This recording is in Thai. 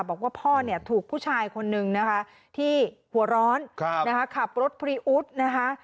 บอกว่าพ่อเนี่ยถูกผู้ชายคนนึงนะคะที่หัวร้อนขับรถพรีอุ๊ดนะคะ